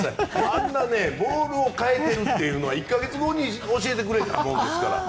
あんなボールを変えているというのは１か月後に教えてくれたものですから。